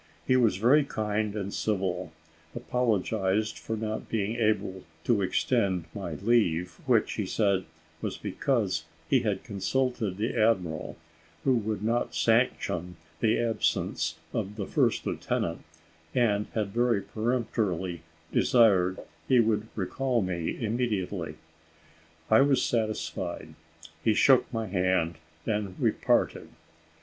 He was very kind and civil, apologised for not being able to extend my leave, which, he said, was because he had consulted the admiral, who would not sanction the absence of the first lieutenant, and had very peremptorily desired he would recall me immediately. I was satisfied: he shook my hand, and we parted.